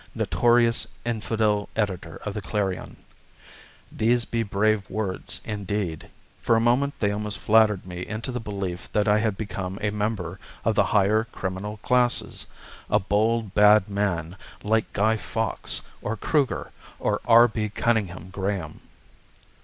"Notorious Infidel Editor of the Clarion!" These be brave words, indeed. For a moment they almost flattered me into the belief that I had become a member of the higher criminal classes: a bold bad man, like Guy Fawkes, or Kruger, or R. B. Cuninghame Graham.